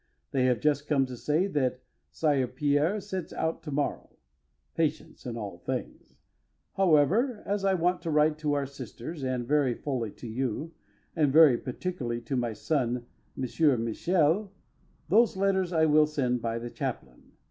They have just come to say that Sire Pierre sets out to morrow. Patience in all things! However, as I want to write to our sisters, and very fully to you, and very particularly to my son M. Michel, those letters I will send by the chaplain.